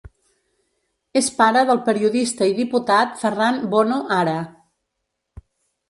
És pare del periodista i diputat Ferran Bono Ara.